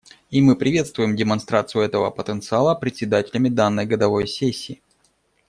И мы приветствуем демонстрацию этого потенциала председателями данной годовой сессии.